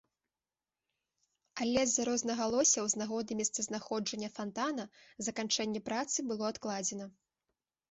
Але з-за рознагалоссяў з нагоды месцазнаходжання фантана заканчэнне працы было адкладзена.